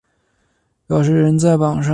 表示仍在榜上